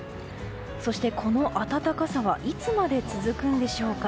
そして、この暖かさはいつまで続くんでしょうか。